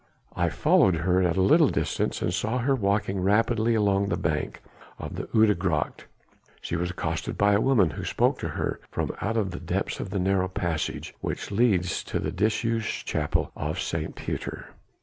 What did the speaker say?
I followed her at a little distance and saw her walking rapidly along the bank of the Oude Gracht. She was accosted by a woman who spoke to her from out the depths of the narrow passage which leads to the disused chapel of St. Pieter.